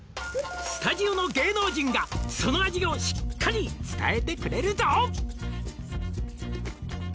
「スタジオの芸能人がその味をしっかり伝えてくれるぞ」